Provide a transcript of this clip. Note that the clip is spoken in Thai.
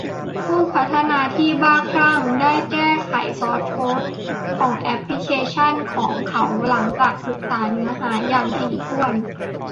ผู้พัฒนาที่บ้าคลั่งได้แก้ไขซอร์สโค้ดของแอปพลิเคชันของเขาหลังจากศึกษาเนื้อหาอย่างถี่ถ้วน